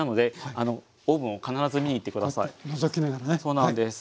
そうなんです。